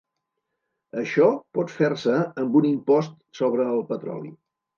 Això pot fer-se amb un impost sobre el petroli.